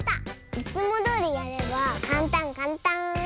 いつもどおりやればかんたんかんたん。